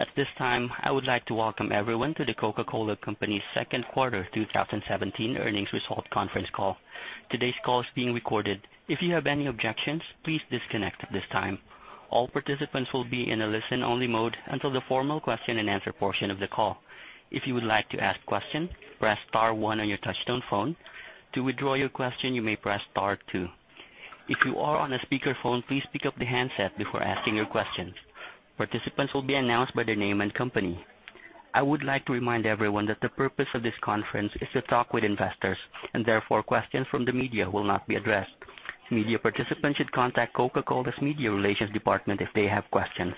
At this time, I would like to welcome everyone to The Coca-Cola Company Second Quarter 2017 Earnings Result Conference Call. Today's call is being recorded. If you have any objections, please disconnect at this time. All participants will be in a listen-only mode until the formal question and answer portion of the call. If you would like to ask a question, press star one on your touch-tone phone. To withdraw your question, you may press star two. If you are on a speakerphone, please pick up the handset before asking your question. Participants will be announced by their name and company. I would like to remind everyone that the purpose of this conference is to talk with investors. Therefore, questions from the media will not be addressed. Media participants should contact Coca-Cola's media relations department if they have questions.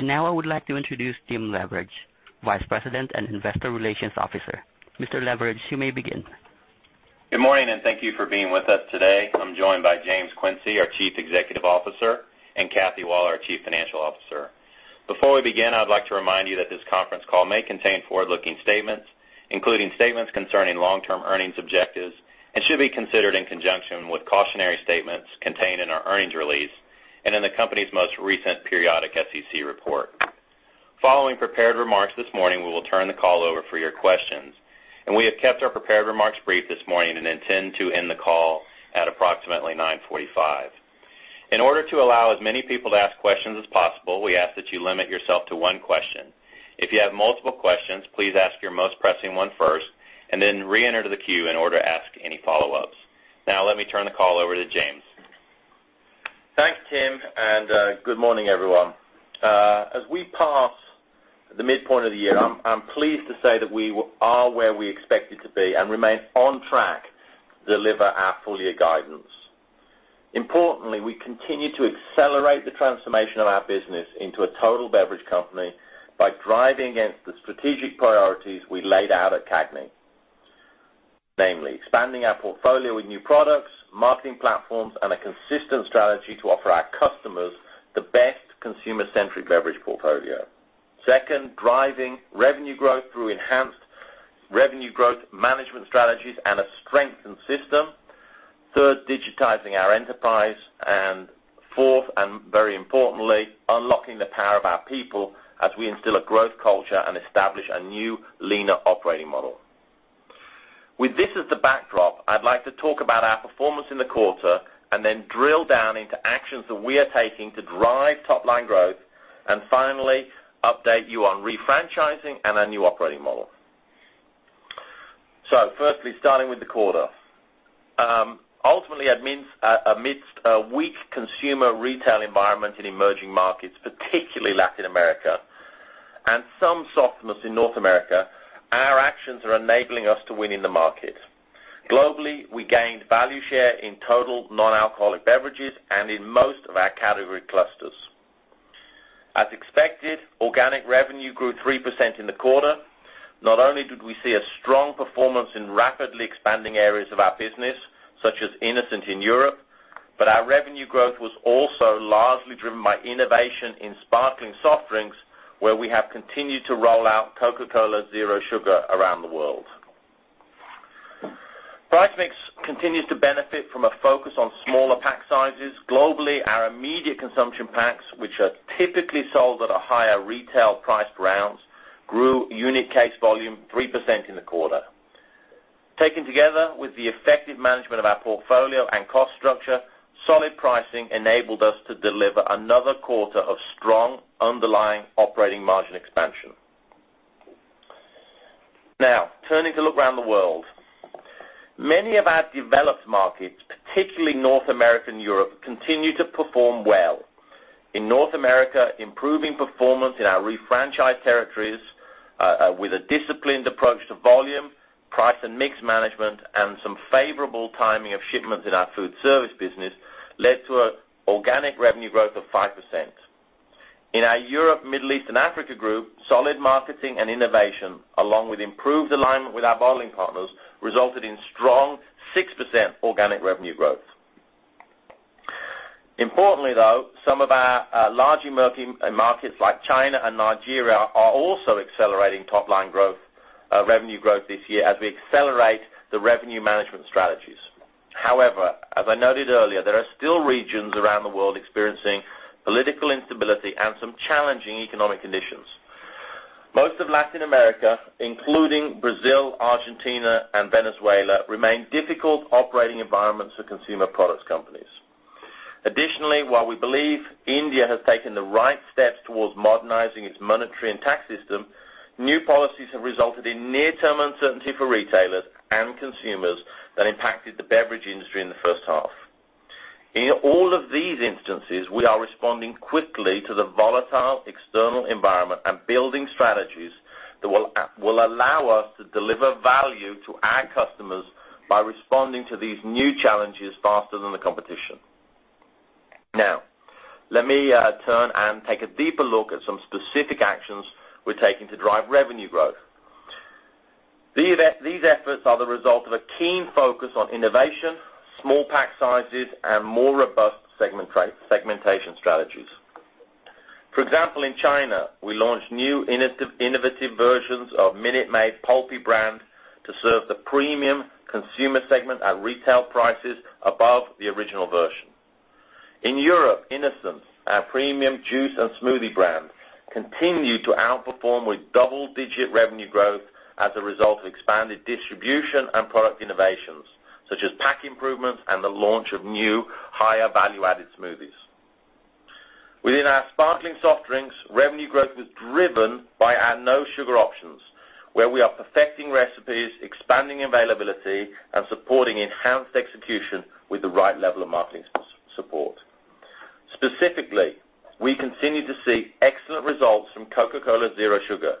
Now I would like to introduce Tim Leveridge, Vice President and Investor Relations Officer. Mr. Leveridge, you may begin. Good morning. Thank you for being with us today. I'm joined by James Quincey, our Chief Executive Officer, and Kathy Waller, our Chief Financial Officer. Before we begin, I'd like to remind you that this conference call may contain forward-looking statements, including statements concerning long-term earnings objectives, and should be considered in conjunction with cautionary statements contained in our earnings release and in the company's most recent periodic SEC report. Following prepared remarks this morning, we will turn the call over for your questions. We have kept our prepared remarks brief this morning and intend to end the call at approximately 9:45 A.M. In order to allow as many people to ask questions as possible, we ask that you limit yourself to one question. If you have multiple questions, please ask your most pressing one first, and then reenter the queue in order to ask any follow-ups. Now let me turn the call over to James. Thanks, Tim, good morning, everyone. As we pass the midpoint of the year, I'm pleased to say that we are where we expected to be and remain on track to deliver our full-year guidance. Importantly, we continue to accelerate the transformation of our business into a total beverage company by driving against the strategic priorities we laid out at CAGNY. Namely, expanding our portfolio with new products, marketing platforms, and a consistent strategy to offer our customers the best consumer-centric beverage portfolio. Second, driving revenue growth through enhanced revenue growth management strategies and a strengthened system. Third, digitizing our enterprise. Fourth, and very importantly, unlocking the power of our people as we instill a growth culture and establish a new leaner operating model. With this as the backdrop, I'd like to talk about our performance in the quarter, then drill down into actions that we are taking to drive top-line growth, finally, update you on refranchising and our new operating model. Firstly, starting with the quarter. Ultimately, amidst a weak consumer retail environment in emerging markets, particularly Latin America, and some softness in North America, our actions are enabling us to win in the market. Globally, we gained value share in total non-alcoholic beverages and in most of our category clusters. As expected, organic revenue grew 3% in the quarter. Not only did we see a strong performance in rapidly expanding areas of our business, such as innocent in Europe, but our revenue growth was also largely driven by innovation in sparkling soft drinks, where we have continued to roll out Coca-Cola Zero Sugar around the world. Price mix continues to benefit from a focus on smaller pack sizes. Globally, our immediate consumption packs, which are typically sold at a higher retail price rounds, grew unit case volume 3% in the quarter. Taken together with the effective management of our portfolio and cost structure, solid pricing enabled us to deliver another quarter of strong underlying operating margin expansion. Turning to look around the world. Many of our developed markets, particularly North America and Europe, continue to perform well. In North America, improving performance in our refranchised territories, with a disciplined approach to volume, price, and mix management, and some favorable timing of shipments in our food service business, led to organic revenue growth of 5%. In our Europe, Middle East, and Africa group, solid marketing and innovation, along with improved alignment with our bottling partners, resulted in strong 6% organic revenue growth. Importantly, though, some of our large emerging markets like China and Nigeria are also accelerating top-line revenue growth this year as we accelerate the revenue management strategies. As I noted earlier, there are still regions around the world experiencing political instability and some challenging economic conditions. Most of Latin America, including Brazil, Argentina, and Venezuela, remain difficult operating environments for consumer products companies. While we believe India has taken the right steps towards modernizing its monetary and tax system, new policies have resulted in near-term uncertainty for retailers and consumers that impacted the beverage industry in the first half. In all of these instances, we are responding quickly to the volatile external environment and building strategies that will allow us to deliver value to our customers by responding to these new challenges faster than the competition. Let me turn and take a deeper look at some specific actions we're taking to drive revenue growth. These efforts are the result of a keen focus on innovation, small pack sizes, and more robust segmentation strategies. For example, in China, we launched new innovative versions of Minute Maid Pulpy brand to serve the premium consumer segment at retail prices above the original version. In Europe, innocent, our premium juice and smoothie brand, continued to outperform with double-digit revenue growth as a result of expanded distribution and product innovations, such as pack improvements and the launch of new higher value-added smoothies. Within our sparkling soft drinks, revenue growth was driven by our no-sugar options, where we are perfecting recipes, expanding availability, and supporting enhanced execution with the right level of marketing support. Specifically, we continue to see excellent results from Coca-Cola Zero Sugar.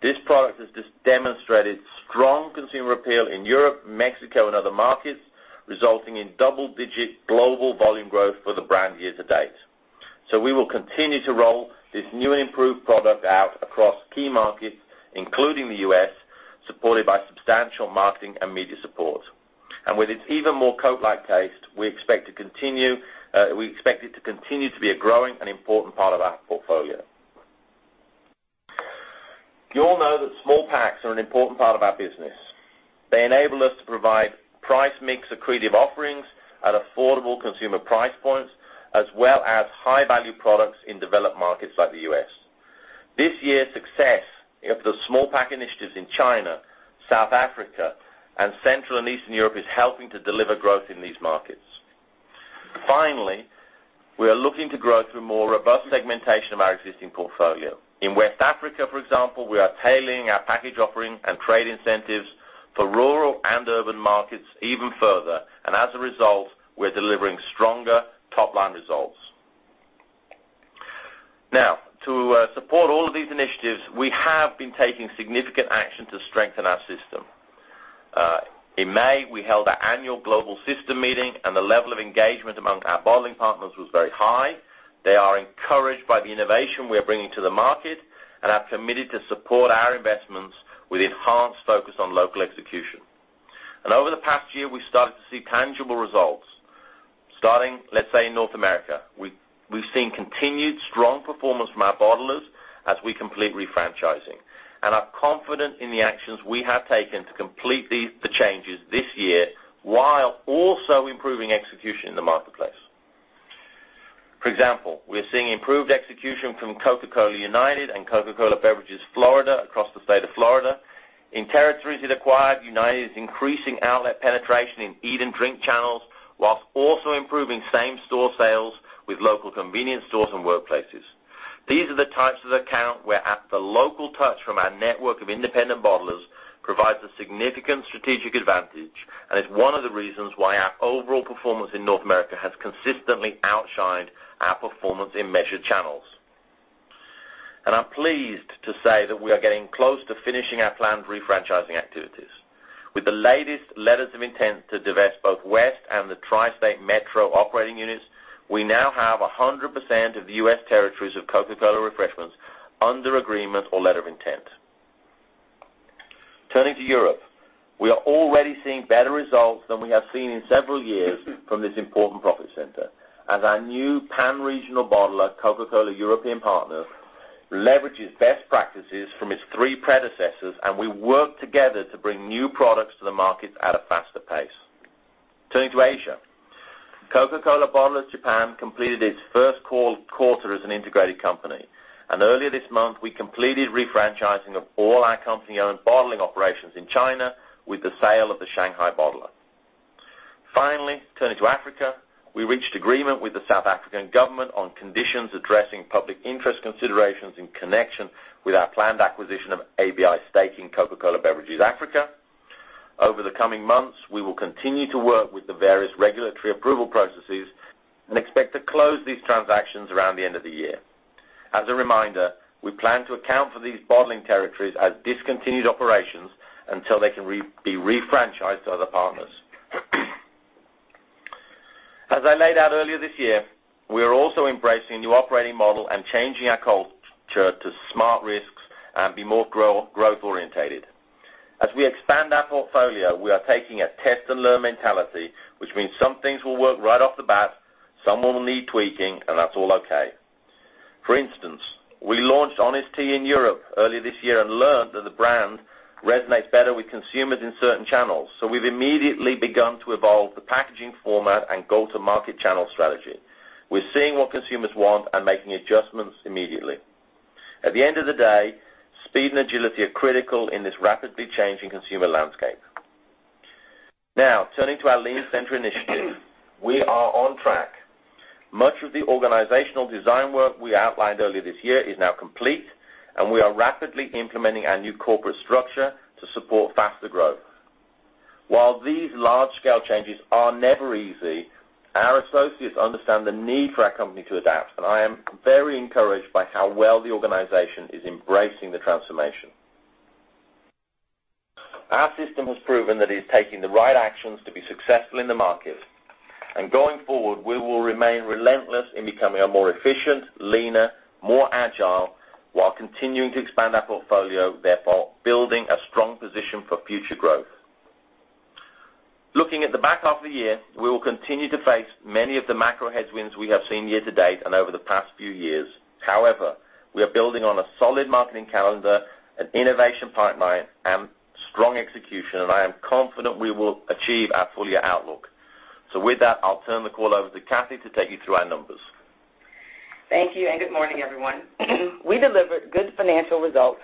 This product has demonstrated strong consumer appeal in Europe, Mexico, and other markets, resulting in double-digit global volume growth for the brand year-to-date. We will continue to roll this new and improved product out across key markets, including the U.S., supported by substantial marketing and media support. With its even more Coke-like taste, we expect it to continue to be a growing and important part of our portfolio. You all know that small packs are an important part of our business. They enable us to provide price mix accretive offerings at affordable consumer price points, as well as high-value products in developed markets like the U.S. This year's success of the small pack initiatives in China, South Africa, and Central and Eastern Europe is helping to deliver growth in these markets. Finally, we are looking to grow through more robust segmentation of our existing portfolio. In West Africa, for example, we are tailoring our package offering and trade incentives for rural and urban markets even further, and as a result, we're delivering stronger top-line results. To support all of these initiatives, we have been taking significant action to strengthen our system. In May, we held our annual global system meeting and the level of engagement among our bottling partners was very high. They are encouraged by the innovation we're bringing to the market and have committed to support our investments with enhanced focus on local execution. Over the past year, we started to see tangible results. Starting, let's say, in North America, we've seen continued strong performance from our bottlers as we complete refranchising. Are confident in the actions we have taken to complete the changes this year while also improving execution in the marketplace. For example, we're seeing improved execution from Coca-Cola United and Coca-Cola Beverages Florida across the state of Florida. In territories it acquired, United is increasing outlet penetration in eat and drink channels, whilst also improving same-store sales with local convenience stores and workplaces. These are the types of account where the local touch from our network of independent bottlers provides a significant strategic advantage and is one of the reasons why our overall performance in North America has consistently outshined our performance in measured channels. I'm pleased to say that we are getting close to finishing our planned refranchising activities. With the latest letters of intent to divest both West and the Tri-State Metro Operating Units, we now have 100% of the U.S. territories of Coca-Cola Refreshments under agreement or letter of intent. Turning to Europe. We are already seeing better results than we have seen in several years from this important profit center. As our new pan-regional bottler, Coca-Cola European Partners, leverages best practices from its three predecessors, and we work together to bring new products to the market at a faster pace. Turning to Asia. Coca-Cola Bottlers Japan completed its first quarter as an integrated company, and earlier this month, we completed refranchising of all our company-owned bottling operations in China with the sale of the Shanghai bottler. Finally, turning to Africa. We reached agreement with the South African government on conditions addressing public interest considerations in connection with our planned acquisition of ABI's stake in Coca-Cola Beverages Africa. Over the coming months, we will continue to work with the various regulatory approval processes and expect to close these transactions around the end of the year. As a reminder, we plan to account for these bottling territories as discontinued operations until they can be refranchised to other partners. As I laid out earlier this year, we are also embracing a new operating model and changing our culture to smart risks and be more growth-oriented. As we expand our portfolio, we are taking a test and learn mentality, which means some things will work right off the bat, some will need tweaking, and that's all okay. For instance, we launched Honest Tea in Europe earlier this year and learned that the brand resonates better with consumers in certain channels. We've immediately begun to evolve the packaging format and go-to-market channel strategy. We're seeing what consumers want and making adjustments immediately. At the end of the day, speed and agility are critical in this rapidly changing consumer landscape. Now, turning to our Lean Center initiative. We are on track. Much of the organizational design work we outlined earlier this year is now complete, and we are rapidly implementing our new corporate structure to support faster growth. While these large-scale changes are never easy, our associates understand the need for our company to adapt, and I am very encouraged by how well the organization is embracing the transformation. Our system has proven that it is taking the right actions to be successful in the market. Going forward, we will remain relentless in becoming a more efficient, leaner, more agile, while continuing to expand our portfolio, therefore, building a strong position for future growth. Looking at the back half of the year, we will continue to face many of the macro headwinds we have seen year to date and over the past few years. We are building on a solid marketing calendar, an innovation pipeline, and strong execution, and I am confident we will achieve our full-year outlook. With that, I'll turn the call over to Kathy to take you through our numbers. Thank you. Good morning, everyone. We delivered good financial results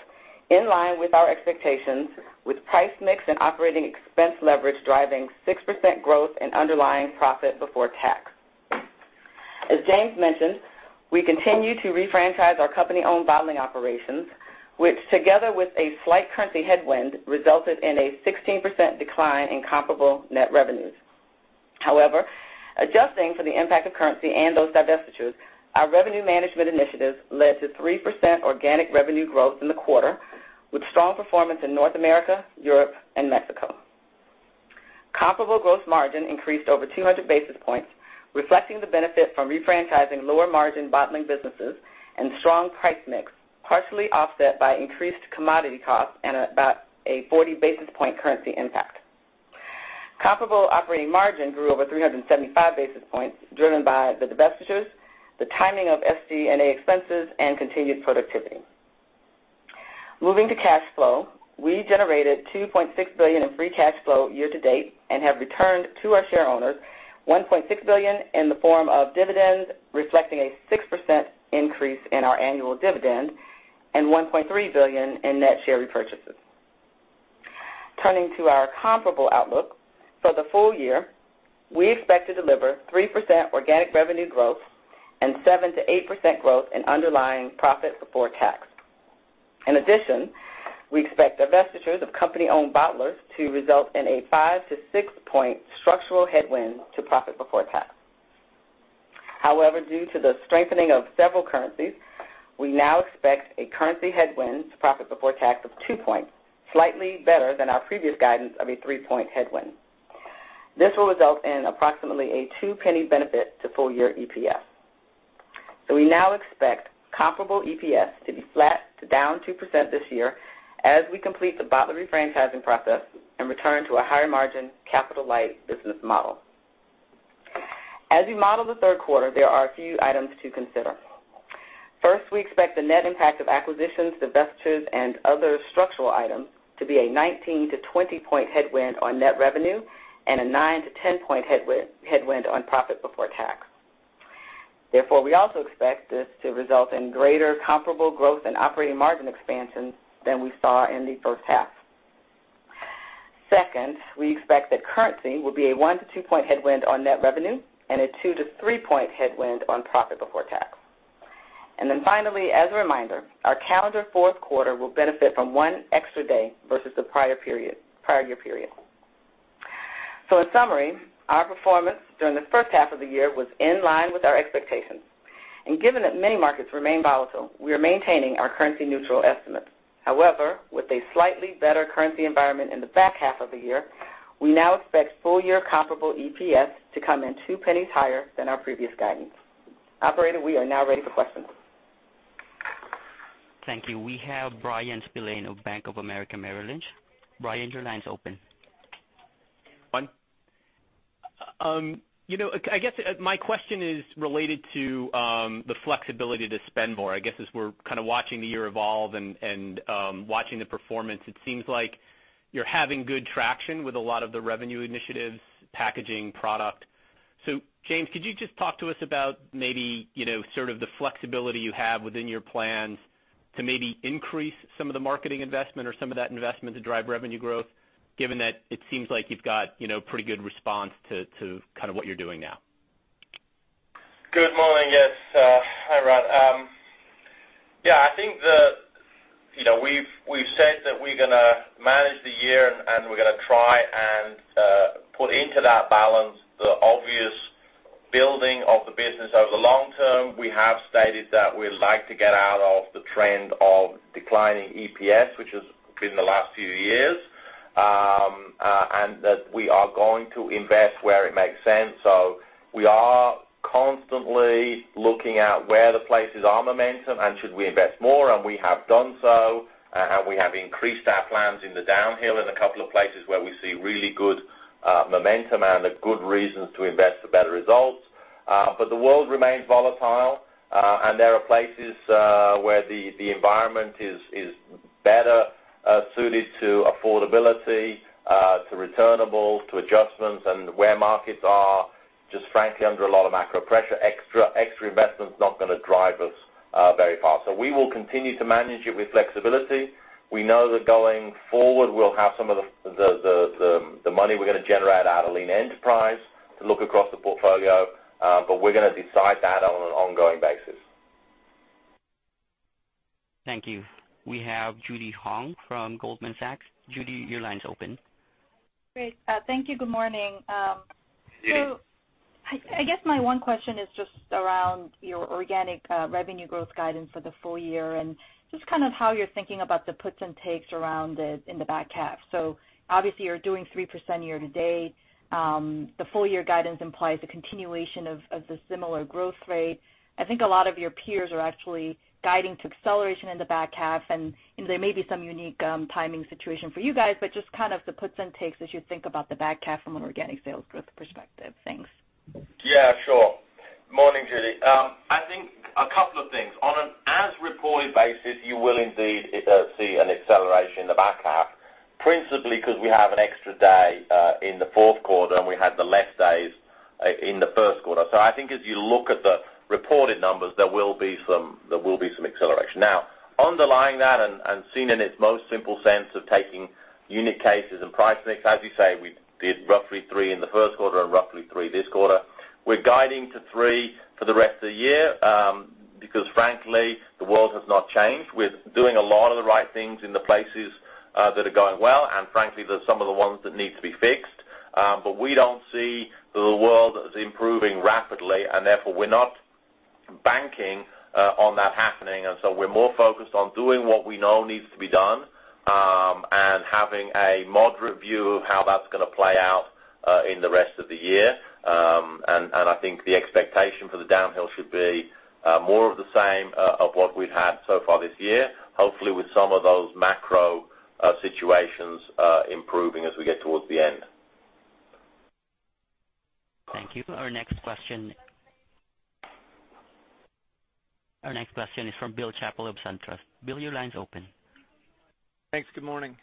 in line with our expectations, with price mix and operating expense leverage driving 6% growth in underlying profit before tax. As James mentioned, we continue to refranchise our company-owned bottling operations, which together with a slight currency headwind, resulted in a 16% decline in comparable net revenues. Adjusting for the impact of currency and those divestitures, our revenue management initiatives led to 3% organic revenue growth in the quarter, with strong performance in North America, Europe, and Mexico. Comparable growth margin increased over 200 basis points, reflecting the benefit from refranchising lower margin bottling businesses and strong price mix, partially offset by increased commodity costs and about a 40 basis point currency impact. Comparable operating margin grew over 375 basis points, driven by the divestitures, the timing of SG&A expenses, and continued productivity. Moving to cash flow. We generated $2.6 billion in free cash flow year to date, have returned to our share owners $1.6 billion in the form of dividends, reflecting a 6% increase in our annual dividend and $1.3 billion in net share repurchases. Turning to our comparable outlook. For the full year, we expect to deliver 3% organic revenue growth and 7%-8% growth in underlying profit before tax. In addition, we expect divestitures of company-owned bottlers to result in a 5-6 point structural headwind to profit before tax. However, due to the strengthening of several currencies, we now expect a currency headwind to profit before tax of two points, slightly better than our previous guidance of a three-point headwind. This will result in approximately a two penny benefit to full year EPS. We now expect comparable EPS to be flat to down 2% this year as we complete the bottler refranchising process and return to a higher margin, capital light business model. As you model the third quarter, there are a few items to consider. First, we expect the net impact of acquisitions, divestitures, and other structural items to be a 19-20 point headwind on net revenue and a 9-10 point headwind on profit before tax. Therefore, we also expect this to result in greater comparable growth and operating margin expansion than we saw in the first half. Second, we expect that currency will be a 1-2 point headwind on net revenue and a 2-3 point headwind on profit before tax. Finally, as a reminder, our calendar fourth quarter will benefit from one extra day versus the prior year period. In summary, our performance during the first half of the year was in line with our expectations. Given that many markets remain volatile, we are maintaining our currency neutral estimates. However, with a slightly better currency environment in the back half of the year, we now expect full year comparable EPS to come in two pennies higher than our previous guidance. Operator, we are now ready for questions. Thank you. We have Bryan Spillane of Bank of America Merrill Lynch. Bryan, your line's open. Bryan. I guess my question is related to the flexibility to spend more. I guess as we're kind of watching the year evolve and watching the performance, it seems like you're having good traction with a lot of the revenue initiatives, packaging, product. James, could you just talk to us about maybe sort of the flexibility you have within your plans to maybe increase some of the marketing investment or some of that investment to drive revenue growth, given that it seems like you've got pretty good response to what you're doing now? Good morning. Yes. Hi, Bryan. I think we've said that we're going to manage the year, we're going to try and put into that balance the obvious building of the business over the long term. We have stated that we'd like to get out of the trend of declining EPS, which has been the last few years, that we are going to invest where it makes sense. We are constantly looking at where the places are momentum and should we invest more, we have done so, we have increased our plans in the downhill in a couple of places where we see really good momentum and good reasons to invest for better results. The world remains volatile, there are places where the environment is better suited to affordability, to returnable, to adjustments, where markets are just, frankly, under a lot of macro pressure. Extra investment is not going to drive us very far. We will continue to manage it with flexibility. We know that going forward, we'll have some of the money we're going to generate out of Lean Enterprise to look across the portfolio, we're going to decide that on an ongoing basis. Thank you. We have Judy Hong from Goldman Sachs. Judy, your line's open. Great. Thank you. Good morning. Judy. I guess my one question is just around your organic revenue growth guidance for the full year and just kind of how you're thinking about the puts and takes around it in the back half. Obviously you're doing 3% year to date. The full year guidance implies a continuation of the similar growth rate. I think a lot of your peers are actually guiding to acceleration in the back half, and there may be some unique timing situation for you guys, but just kind of the puts and takes as you think about the back half from an organic sales growth perspective. Thanks. Yeah, sure. Morning, Judy. I think a couple of things. On an as-reported basis, you will indeed see an acceleration in the back half, principally because we have an extra day in the fourth quarter, and we had the less days in the first quarter. I think as you look at the reported numbers, there will be some acceleration. Now, underlying that and seen in its most simple sense of taking unique cases and price mix, as you say, we did roughly 3% in the first quarter and roughly 3% this quarter. We're guiding to 3% for the rest of the year because frankly, the world has not changed. We're doing a lot of the right things in the places that are going well, and frankly, there's some of the ones that need to be fixed. We don't see the world as improving rapidly, and therefore, we're not banking on that happening, and so we're more focused on doing what we know needs to be done, and having a moderate view of how that's going to play out in the rest of the year. I think the expectation for the downhill should be more of the same of what we've had so far this year, hopefully with some of those macro situations improving as we get towards the end. Thank you. Our next question is from William Chappell of SunTrust. Bill, your line's open. Thanks. Good morning.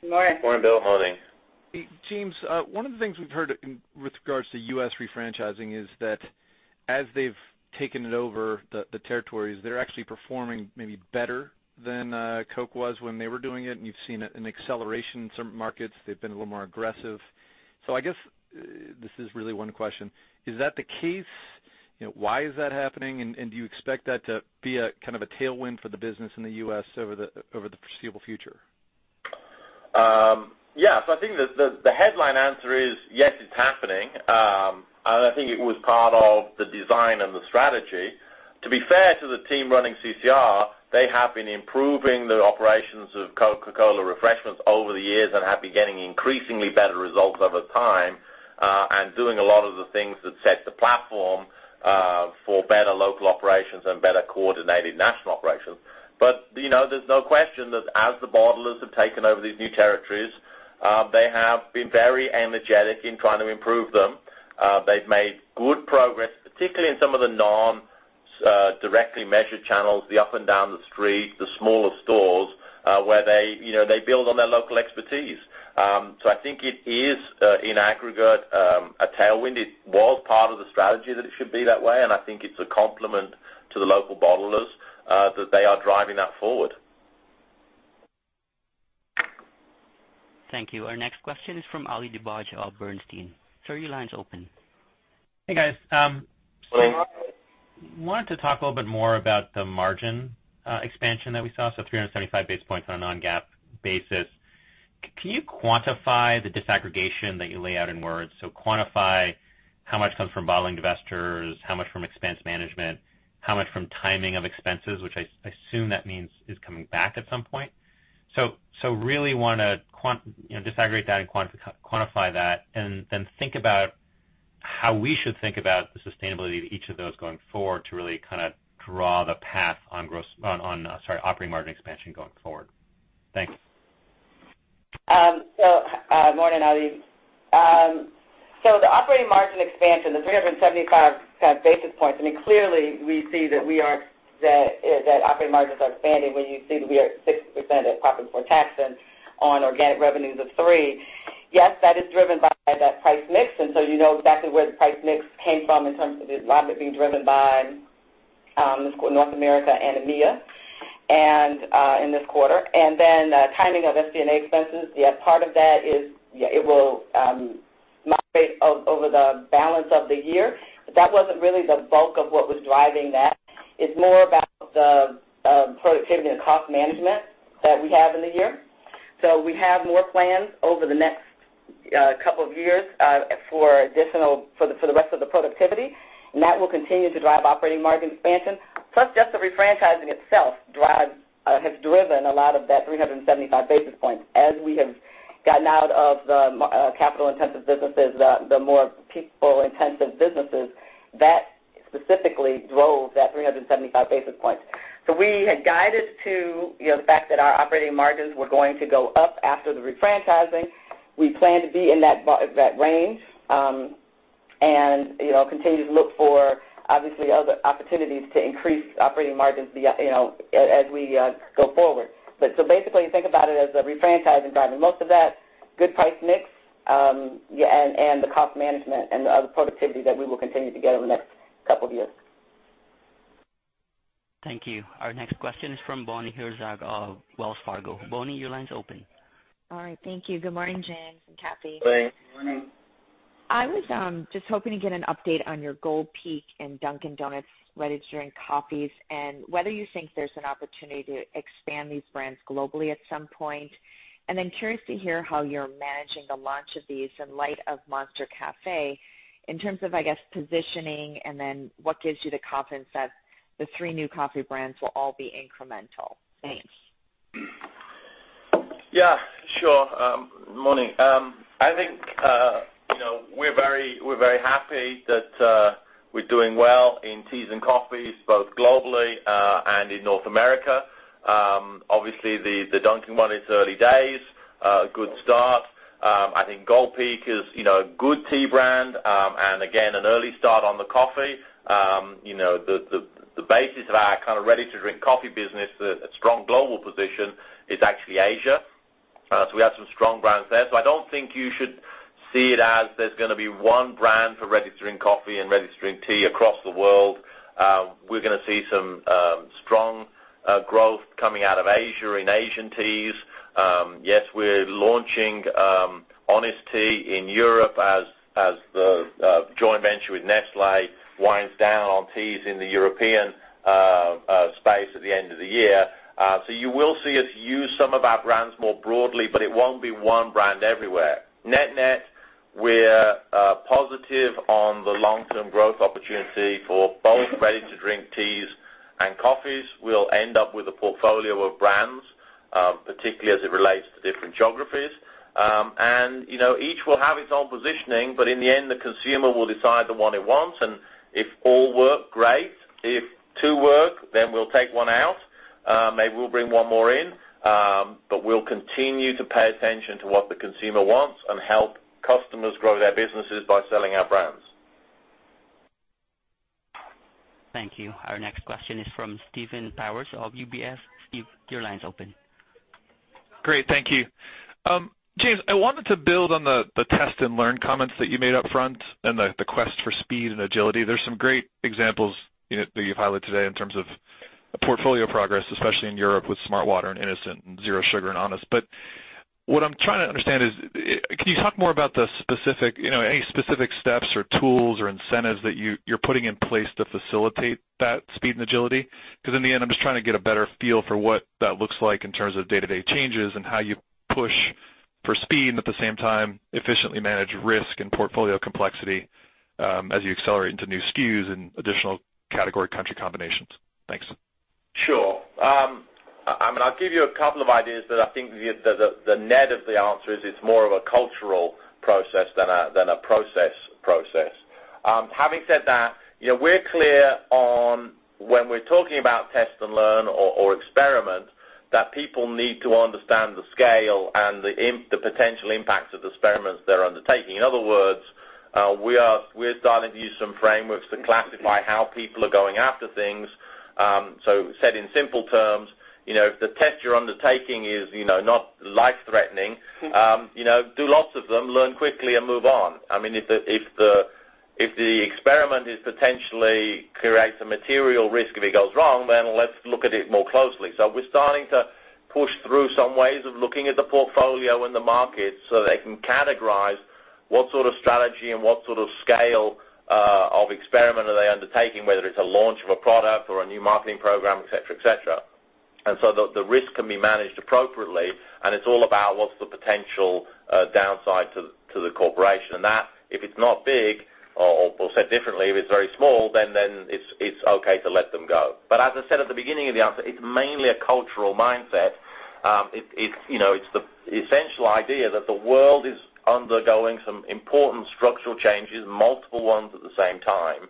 Good morning. Morning, Bill. Morning. James, one of the things we've heard with regards to U.S. refranchising is that as they've taken it over the territories, they're actually performing maybe better than Coke was when they were doing it, and you've seen an acceleration in some markets. They've been a little more aggressive. I guess this is really one question. Is that the case? Why is that happening? Do you expect that to be a kind of a tailwind for the business in the U.S. over the foreseeable future? Yeah. I think the headline answer is, yes, it's happening. I think it was part of the design and the strategy. To be fair to the team running CCR, they have been improving the operations of Coca-Cola Refreshments over the years and have been getting increasingly better results over time, and doing a lot of the things that set the platform for better local operations and better coordinated national operations. There's no question that as the bottlers have taken over these new territories, they have been very energetic in trying to improve them. They've made good progress, particularly in some of the non-directly measured channels, the up and down the street, the smaller stores, where they build on their local expertise. I think it is, in aggregate, a tailwind. It was part of the strategy that it should be that way, and I think it's a compliment to the local bottlers that they are driving that forward. Thank you. Our next question is from Ali Dibadj of Bernstein. Sir, your line's open. Hey, guys. Good morning. Wanted to talk a little bit more about the margin expansion that we saw, so 375 basis points on a non-GAAP basis. Can you quantify the disaggregation that you lay out in words? Quantify how much comes from bottling investors, how much from expense management, how much from timing of expenses, which I assume that means is coming back at some point. Really want to disaggregate that and quantify that and then think about how we should think about the sustainability of each of those going forward to really kind of draw the path on operating margin expansion going forward. Thanks. Morning, Ali. The operating margin expansion, the 375 basis points, I mean, clearly, we see that operating margins are expanding when you see that we are at 6% at profit before tax and on organic revenues of three. Yes, that is driven by that price mix, you know exactly where the price mix came from in terms of a lot of it being driven by North America and EMEA in this quarter. Timing of SG&A expenses, yeah, part of that is it will migrate over the balance of the year. That wasn't really the bulk of what was driving that. It's more about the productivity and cost management that we have in the year. We have more plans over the next couple of years for the rest of the productivity, and that will continue to drive operating margin expansion. Plus just the refranchising itself has driven a lot of that 375 basis points. As we have gotten out of the capital-intensive businesses, the more people-intensive businesses, that specifically drove that 375 basis points. We had guided to the fact that our operating margins were going to go up after the refranchising. We plan to be in that range, continue to look for, obviously, other opportunities to increase operating margins as we go forward. Basically, think about it as the refranchising driving most of that good price mix, and the cost management and the other productivity that we will continue to get over the next couple of years. Thank you. Our next question is from Bonnie Herzog of Wells Fargo. Bonnie, your line's open. All right. Thank you. Good morning, James and Kathy. Morning. Morning. I was just hoping to get an update on your Gold Peak and Dunkin' Donuts ready-to-drink coffees, whether you think there's an opportunity to expand these brands globally at some point. Curious to hear how you're managing the launch of these in light of Caffé Monster in terms of, I guess, positioning, what gives you the confidence that the three new coffee brands will all be incremental? Thanks. Yeah. Sure. Morning. I think we're very happy that we're doing well in teas and coffees, both globally and in North America. Obviously, the Dunkin' one, it's early days. Good start. I think Gold Peak is a good tea brand, again, an early start on the coffee. The basis of our ready-to-drink coffee business, a strong global position, is actually Asia. We have some strong brands there. I don't think you should see it as there's going to be one brand for ready-to-drink coffee and ready-to-drink tea across the world. We're going to see some strong growth coming out of Asia in Asian teas. Yes, we're launching Honest Tea in Europe as the joint venture with Nestlé winds down on teas in the European space at the end of the year. You will see us use some of our brands more broadly, it won't be one brand everywhere. Net-net, we're positive on the long-term growth opportunity for both ready-to-drink teas and coffees. We'll end up with a portfolio of brands, particularly as it relates to different geographies. Each will have its own positioning, in the end, the consumer will decide the one he wants, if all work, great. If two work, we'll take one out. Maybe we'll bring one more in. We'll continue to pay attention to what the consumer wants and help customers grow their businesses by selling our brands. Thank you. Our next question is from Stephen Powers of UBS. Steve, your line's open. Great. Thank you. James, I wanted to build on the test and learn comments that you made upfront and the quest for speed and agility. There's some great examples that you've highlighted today in terms of portfolio progress, especially in Europe with smartwater and innocent and Zero Sugar and Honest. What I'm trying to understand is, can you talk more about any specific steps or tools or incentives that you're putting in place to facilitate that speed and agility? In the end, I'm just trying to get a better feel for what that looks like in terms of day-to-day changes and how you push for speed, and at the same time, efficiently manage risk and portfolio complexity as you accelerate into new SKUs and additional category country combinations. Thanks. Sure. I'll give you a couple of ideas, but I think the net of the answer is it's more of a cultural process than a process. Having said that, we're clear on when we're talking about test and learn or experiment, that people need to understand the scale and the potential impact of the experiments they're undertaking. In other words, we're starting to use some frameworks to classify how people are going after things. Said in simple terms, if the test you're undertaking is not life-threatening, do lots of them, learn quickly and move on. If the experiment potentially creates a material risk if it goes wrong, let's look at it more closely. We're starting to push through some ways of looking at the portfolio and the market so they can categorize what sort of strategy and what sort of scale of experiment are they undertaking, whether it's a launch of a product or a new marketing program, et cetera. The risk can be managed appropriately, and it's all about what's the potential downside to the corporation. That, if it's not big, or said differently, if it's very small, it's okay to let them go. As I said at the beginning of the answer, it's mainly a cultural mindset. It's the essential idea that the world is undergoing some important structural changes, multiple ones at the same time.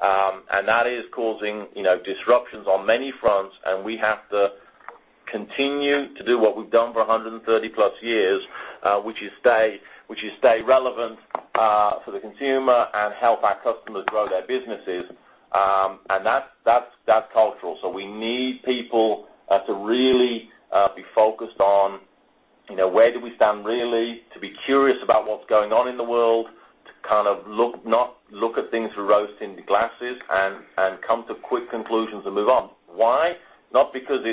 That is causing disruptions on many fronts, and we have to continue to do what we've done for 130 plus years, which is stay relevant for the consumer and help our customers grow their businesses. That's cultural. We need people to really be focused on where do we stand really, to be curious about what's going on in the world, to not look at things through rose-tinted glasses, and come to quick conclusions and move on. Why? Not because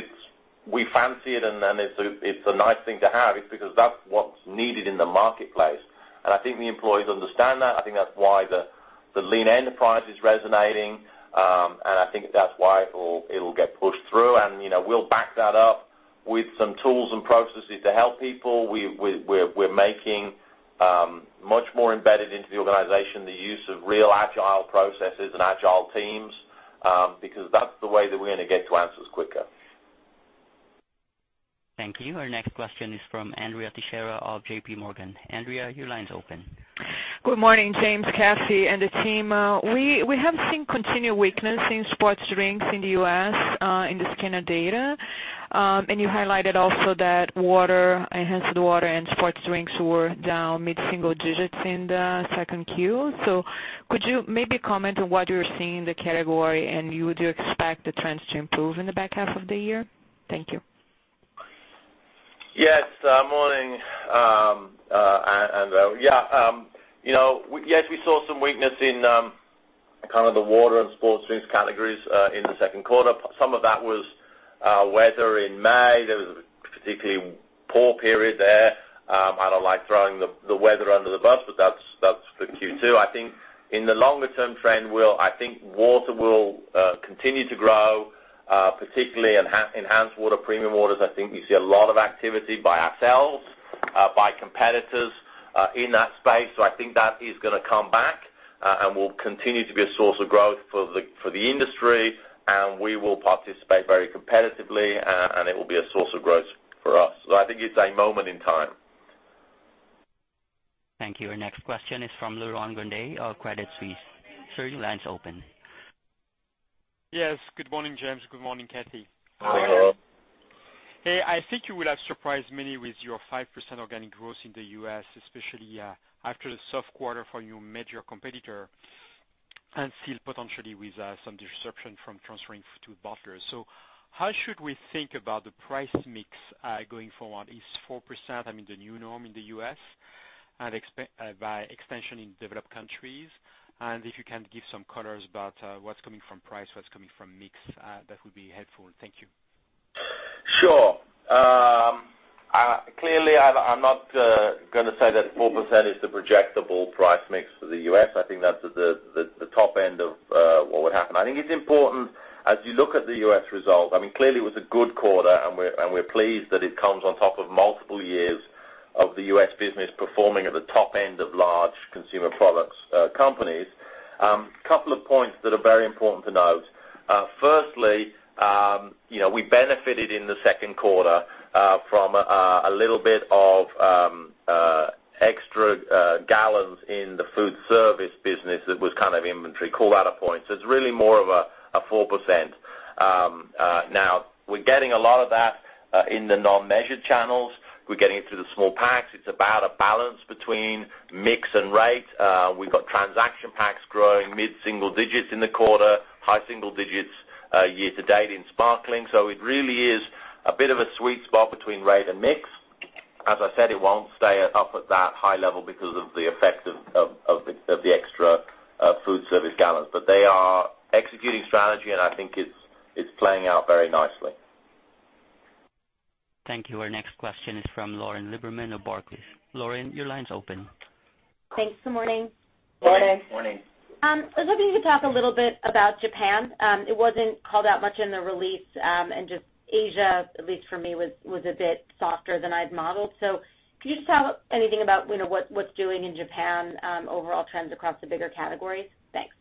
we fancy it and it's a nice thing to have. It's because that's what's needed in the marketplace. I think the employees understand that. I think that's why the Lean Enterprise is resonating, and I think that's why it'll get pushed through. We'll back that up with some tools and processes to help people. We're making much more embedded into the organization the use of real agile processes and agile teams, because that's the way that we're going to get to answers quicker. Thank you. Our next question is from Andrea Teixeira of JP Morgan. Andrea, your line's open. Good morning, James, Kathy, and the team. We have seen continued weakness in sports drinks in the U.S. in the scanner data. You highlighted also that enhanced water and sports drinks were down mid-single digits in the second Q. Could you maybe comment on what you're seeing in the category, and would you expect the trends to improve in the back half of the year? Thank you. Yes. Morning, Andrea. Yes, we saw some weakness in the water and sports drinks categories in the second quarter. Some of that was weather in May. There was a particularly poor period there. I don't like throwing the weather under the bus, but that's for Q2. I think in the longer-term trend, I think water will continue to grow, particularly enhanced water, premium waters. I think you see a lot of activity by ourselves, by competitors in that space. I think that is going to come back and will continue to be a source of growth for the industry, and we will participate very competitively, and it will be a source of growth for us. I think it's a moment in time. Thank you. Our next question is from Laurent Grandet of Credit Suisse. Sir, your line's open Yes. Good morning, James. Good morning, Kathy. Good morning. Hey, I think you will have surprised many with your 5% organic growth in the U.S., especially after the soft quarter for your major competitor, and still potentially with some disruption from transferring to bottlers. How should we think about the price mix going forward? Is 4% the new norm in the U.S., and by extension in developed countries? If you can give some colors about what's coming from price, what's coming from mix, that would be helpful. Thank you. Sure. Clearly, I'm not going to say that 4% is the projectable price mix for the U.S. I think that's the top end of what would happen. I think it's important as you look at the U.S. result, clearly it was a good quarter, and we're pleased that it comes on top of multiple years of the U.S. business performing at the top end of large consumer products companies. Couple of points that are very important to note. Firstly, we benefited in the second quarter from a little bit of extra gallons in the food service business that was kind of inventory call out points. It's really more of a 4%. Now, we're getting a lot of that in the non-measured channels. We're getting it through the small packs. It's about a balance between mix and rate. We've got transaction packs growing mid-single digits in the quarter, high single digits year to date in sparkling. It really is a bit of a sweet spot between rate and mix. As I said, it won't stay up at that high level because of the effect of the extra food service gallons. They are executing strategy, and I think it's playing out very nicely. Thank you. Our next question is from Lauren Lieberman of Barclays. Lauren, your line's open. Thanks. Good morning. Morning. Morning. I was hoping you could talk a little bit about Japan. It wasn't called out much in the release, and just Asia, at least for me, was a bit softer than I'd modeled. Could you just tell anything about what's doing in Japan, overall trends across the bigger categories? Thanks.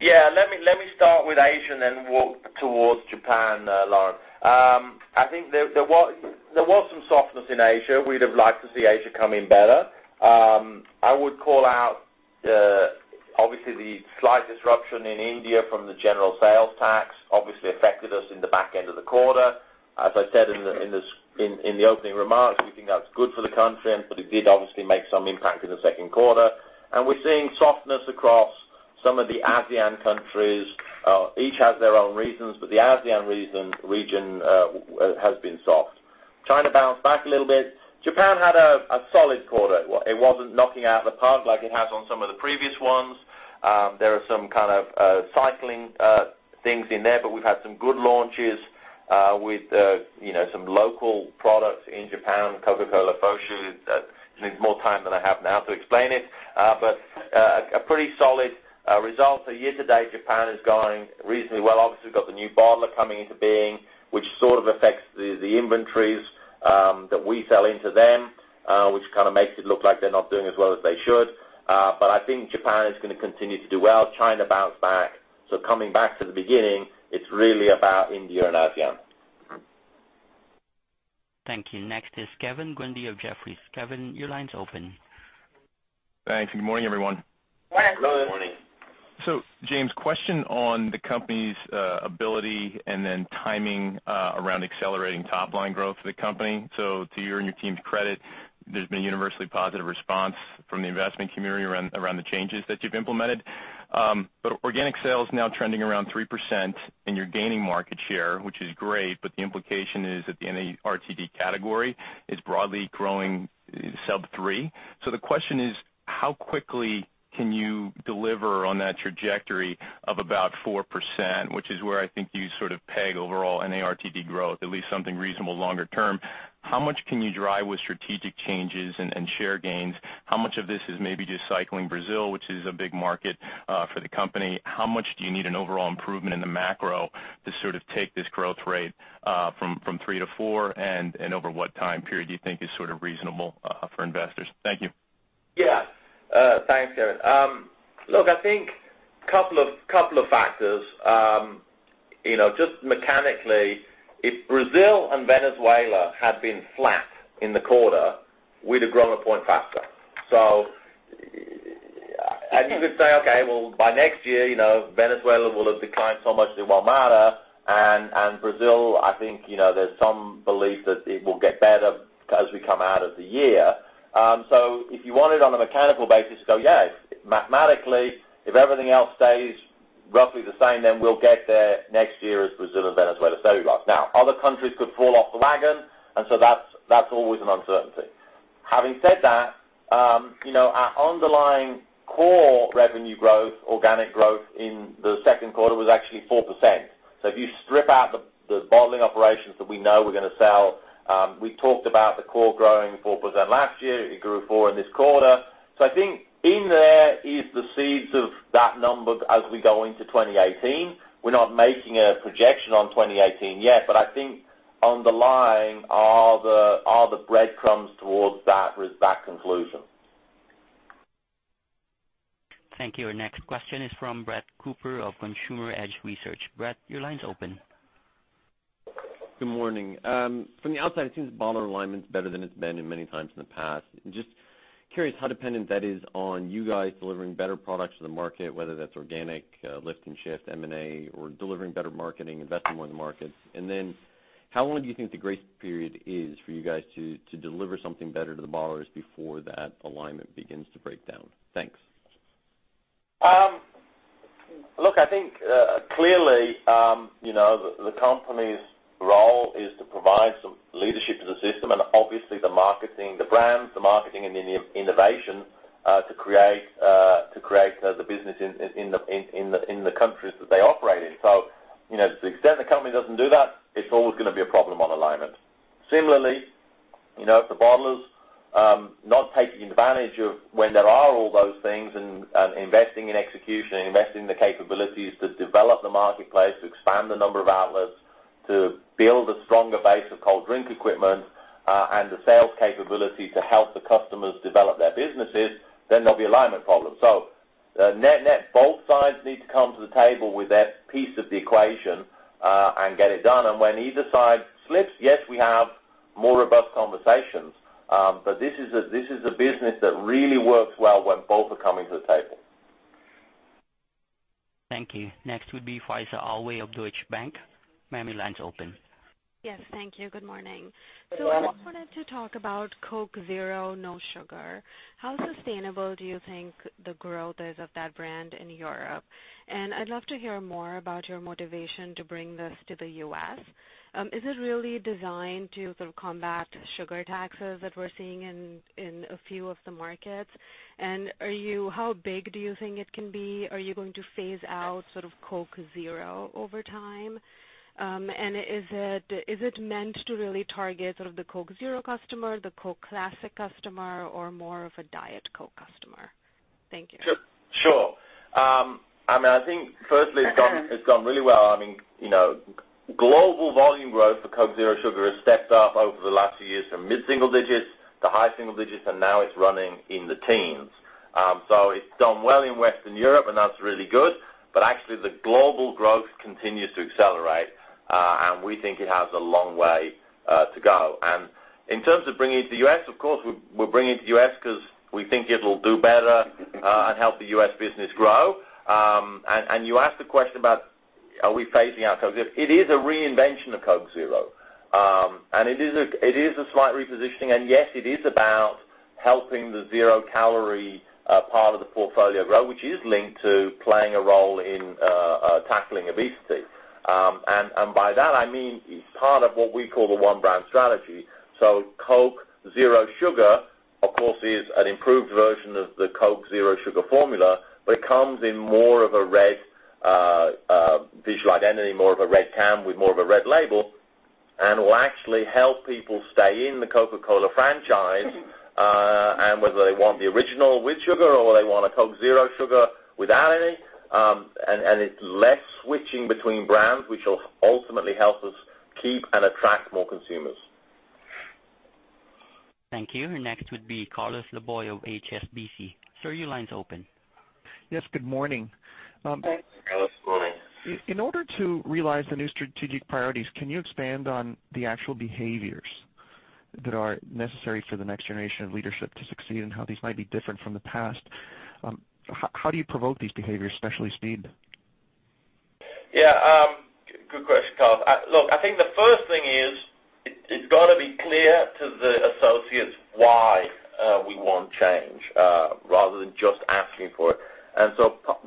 Yeah. Let me start with Asia and then walk towards Japan, Lauren. I think there was some softness in Asia. We'd have liked to see Asia come in better. I would call out, obviously, the slight disruption in India from the general sales tax obviously affected us in the back end of the quarter. As I said in the opening remarks, we think that's good for the country, but it did obviously make some impact in the second quarter. We're seeing softness across some of the ASEAN countries. Each has their own reasons, but the ASEAN region has been soft. China bounced back a little bit. Japan had a solid quarter. It wasn't knocking it out of the park like it has on some of the previous ones. There are some kind of cycling things in there, but we've had some good launches with some local products in Japan, Coca-Cola Plus. It needs more time than I have now to explain it. A pretty solid result. Year to date, Japan is going reasonably well. Obviously, we've got the new bottler coming into being, which sort of affects the inventories that we sell into them, which kind of makes it look like they're not doing as well as they should. I think Japan is going to continue to do well. China bounced back. Coming back to the beginning, it's really about India and ASEAN. Thank you. Next is Kevin Grundy of Jefferies. Kevin, your line's open. Thanks, good morning, everyone. Morning. Morning. James, question on the company's ability and then timing around accelerating top-line growth for the company. To you and your team's credit, there's been universally positive response from the investment community around the changes that you've implemented. Organic sales now trending around 3% and you're gaining market share, which is great, but the implication is that the NARTD category is broadly growing sub three. The question is, how quickly can you deliver on that trajectory of about 4%, which is where I think you sort of peg overall NARTD growth, at least something reasonable longer term. How much can you drive with strategic changes and share gains? How much of this is maybe just cycling Brazil, which is a big market for the company? How much do you need an overall improvement in the macro to sort of take this growth rate from three to four? Over what time period do you think is sort of reasonable for investors? Thank you. Yeah. Thanks, Kevin. Look, I think couple of factors. Just mechanically, if Brazil and Venezuela had been flat in the quarter, we'd have grown a point faster. You could say, okay, well, by next year, Venezuela will have declined so much it won't matter, and Brazil, I think, there's some belief that it will get better as we come out of the year. If you want it on a mechanical basis to go, yeah, mathematically, if everything else stays roughly the same, then we'll get there next year as Brazil and Venezuela settle off. Now, other countries could fall off the wagon, that's always an uncertainty. Having said that, our underlying core revenue growth, organic growth in the second quarter was actually 4%. If you strip out the bottling operations that we know we're going to sell, we talked about the core growing 4% last year. It grew 4 in this quarter. I think in there is the seeds of that number as we go into 2018. We're not making a projection on 2018 yet, but I think underlying are the breadcrumbs towards that conclusion. Thank you. Our next question is from Brett Cooper of Consumer Edge Research. Brett, your line's open. Good morning. From the outside, it seems bottler alignment's better than it's been in many times in the past. Just curious how dependent that is on you guys delivering better products to the market, whether that's organic, lift and shift, M&A, or delivering better marketing, investing more in the markets. How long do you think the grace period is for you guys to deliver something better to the bottlers before that alignment begins to break down? Thanks. Look, I think clearly, the company's role is to provide some leadership to the system, and obviously the marketing, the brands, and the innovation, to create the business in the countries that they operate in. To the extent the company doesn't do that, it's always going to be a problem on alignment. Similarly, if the bottler's not taking advantage of when there are all those things and investing in execution and investing in the capabilities to develop the marketplace, to expand the number of outlets, to build a stronger base of cold drink equipment, and the sales capability to help the customers develop their businesses, then there'll be alignment problems. Net-net, both sides need to come to the table with their piece of the equation, and get it done. When either side slips, yes, we have more robust conversations. This is a business that really works well when both are coming to the table. Thank you. Next would be Faiza Alwy of Deutsche Bank. Ma'am, your line's open. Yes. Thank you. Good morning. Good morning. I wanted to talk about Coke Zero No Sugar. How sustainable do you think the growth is of that brand in Europe? I'd love to hear more about your motivation to bring this to the U.S. Is it really designed to sort of combat sugar taxes that we're seeing in a few of the markets? How big do you think it can be? Are you going to phase out Coke Zero over time? Is it meant to really target sort of the Coke Zero customer, the Coca-Cola Classic customer, or more of a Diet Coke customer? Thank you. Sure. I think firstly, it's gone really well. Global volume growth for Coke Zero Sugar has stepped up over the last few years from mid-single digits to high single digits, and now it's running in the teens. It's done well in Western Europe, that's really good, but actually the global growth continues to accelerate, we think it has a long way to go. In terms of bringing it to the U.S., of course, we're bringing it to the U.S. because we think it'll do better and help the U.S. business grow. You asked the question about, are we phasing out Coke Zero? It is a reinvention of Coke Zero. It is a slight repositioning, yes, it is about helping the zero-calorie part of the portfolio grow, which is linked to playing a role in tackling obesity. By that, I mean it's part of what we call the one brand strategy. Coke Zero Sugar, of course, is an improved version of the Coke Zero Sugar formula, but it comes in more of a red visual identity, more of a red can with more of a red label and will actually help people stay in the Coca-Cola franchise, whether they want the original with sugar or they want a Coke Zero Sugar without any. It's less switching between brands, which will ultimately help us keep and attract more consumers. Thank you. Next would be Carlos Laboy of HSBC. Sir, your line's open. Yes, good morning. Thanks, Carlos. Good morning. In order to realize the new strategic priorities, can you expand on the actual behaviors that are necessary for the next generation of leadership to succeed and how these might be different from the past? How do you promote these behaviors, especially speed? Yeah. Good question, Carlos. Look, I think the first thing is it's got to be clear to the associates why we want change, rather than just asking for it.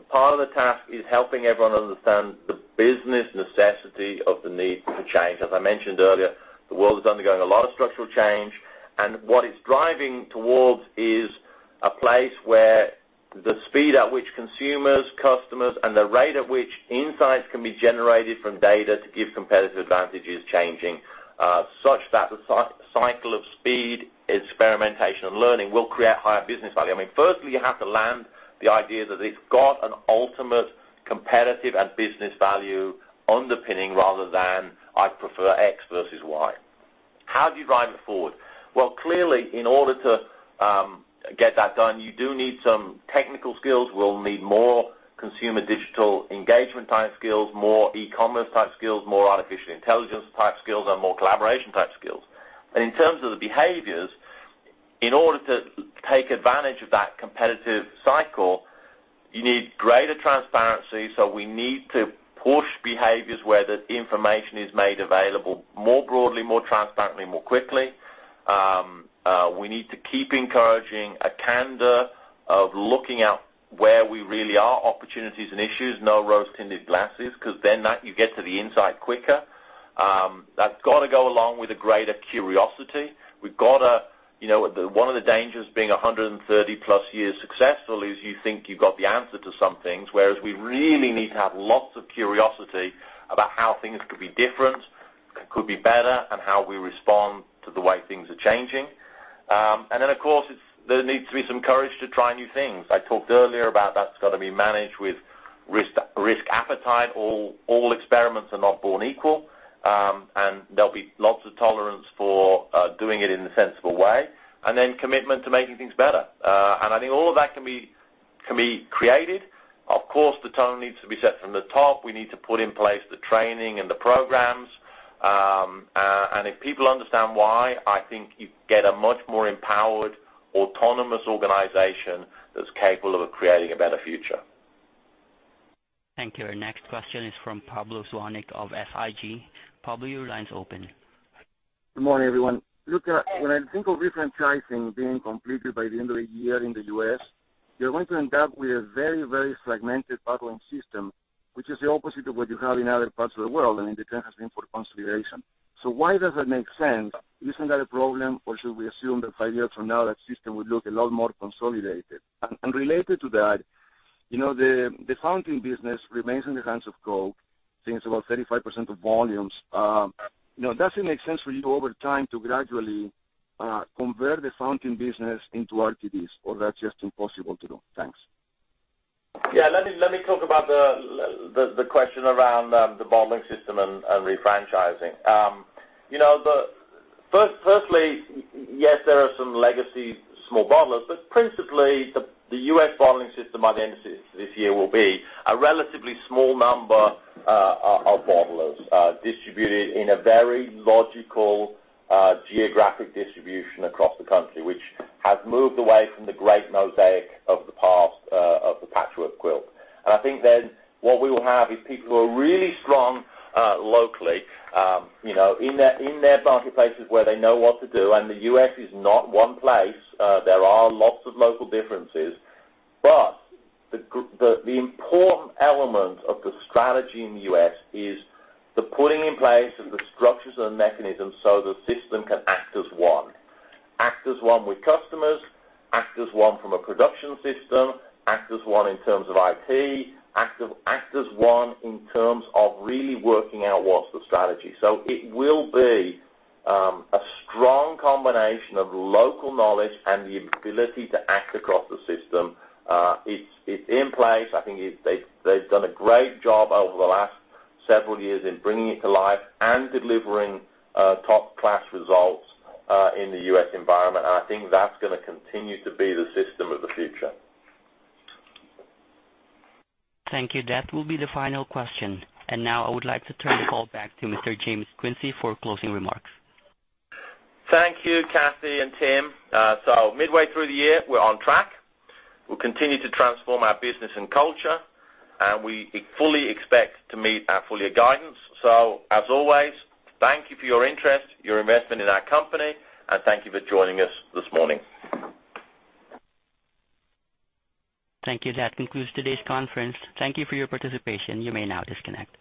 Part of the task is helping everyone understand the business necessity of the need for change. As I mentioned earlier, the world is undergoing a lot of structural change. What it's driving towards is a place where the speed at which consumers, customers, and the rate at which insights can be generated from data to give competitive advantage is changing, such that the cycle of speed, experimentation, and learning will create higher business value. Firstly, you have to land the idea that it's got an ultimate competitive and business value underpinning rather than I prefer X versus Y. How do you drive it forward? Clearly, in order to get that done, you do need some technical skills. We'll need more consumer digital engagement type skills, more e-commerce type skills, more artificial intelligence type skills, and more collaboration type skills. In terms of the behaviors, in order to take advantage of that competitive cycle, you need greater transparency. We need to push behaviors where the information is made available more broadly, more transparently, more quickly. We need to keep encouraging a candor of looking at where we really are, opportunities and issues, no rose-tinted glasses, because then you get to the insight quicker. That's got to go along with a greater curiosity. One of the dangers of being 130-plus years successful is you think you've got the answer to some things, whereas we really need to have lots of curiosity about how things could be different and could be better, and how we respond to the way things are changing. Then, of course, there needs to be some courage to try new things. I talked earlier about that's got to be managed with risk appetite. All experiments are not born equal. There'll be lots of tolerance for doing it in a sensible way. Then commitment to making things better. I think all of that can be created. Of course, the tone needs to be set from the top. We need to put in place the training and the programs. If people understand why, I think you get a much more empowered, autonomous organization that's capable of creating a better future. Thank you. Our next question is from Pablo Zuanic of SIG. Pablo, your line's open. Good morning, everyone. Look, when I think of refranchising being completed by the end of the year in the U.S., you're going to end up with a very, very fragmented bottling system, which is the opposite of what you have in other parts of the world. I mean, the trend has been for consolidation. Why does that make sense? Isn't that a problem? Should we assume that five years from now, that system would look a lot more consolidated? Related to that, the fountain business remains in the hands of Coke, which is about 35% of volumes. Does it make sense for you over time to gradually convert the fountain business into RTDs, or that's just impossible to do? Thanks. Yeah, let me talk about the question around the bottling system and refranchising. Firstly, yes, there are some legacy small bottlers, but principally, the U.S. bottling system by the end of this year will be a relatively small number of bottlers distributed in a very logical geographic distribution across the country, which has moved away from the great mosaic of the past, of the patchwork quilt. I think then what we will have is people who are really strong locally, in their marketplaces where they know what to do. The U.S. is not one place. There are lots of local differences. The important element of the strategy in the U.S. is the putting in place of the structures and mechanisms so the system can act as one. Act as one with customers, act as one from a production system, act as one in terms of IT, act as one in terms of really working out what's the strategy. It will be a strong combination of local knowledge and the ability to act across the system. It's in place. I think they've done a great job over the last several years in bringing it to life and delivering top-class results in the U.S. environment, I think that's going to continue to be the system of the future. Thank you. That will be the final question. Now I would like to turn the call back to Mr. James Quincey for closing remarks. Thank you, Kathy and Tim. Midway through the year, we're on track. We'll continue to transform our business and culture, we fully expect to meet our full-year guidance. As always, thank you for your interest, your investment in our company, and thank you for joining us this morning. Thank you. That concludes today's conference. Thank you for your participation. You may now disconnect.